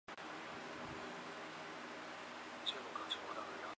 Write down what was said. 车站周边多为住宅区。